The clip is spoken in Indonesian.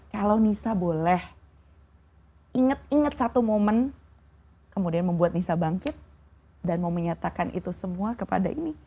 kalau nisa boleh inget inget satu momen kemudian membuat nisa bangkit dan mau menyatakan itu semua kepada ini